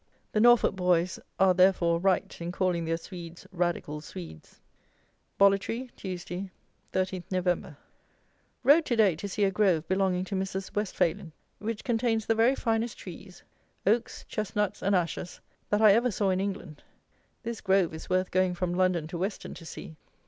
The Norfolk boys are, therefore, right in calling their Swedes Radical Swedes. Bollitree, Tuesday, 13 Nov. Rode to day to see a grove belonging to Mrs. WESTPHALIN, which contains the very finest trees, oaks, chestnuts, and ashes, that I ever saw in England. This grove is worth going from London to Weston to see.